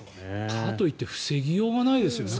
かといって防ぎようがないですよね。